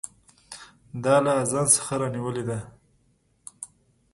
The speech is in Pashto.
دا له اذان څخه رانیولې ده.